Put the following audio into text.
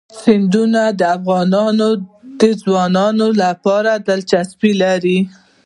سیندونه د افغان ځوانانو لپاره دلچسپي لري.